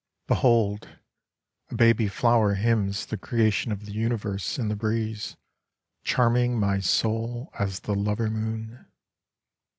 Behold, a baby flower hymns the creation of the universe in the breeze, charming my soul as the lover moon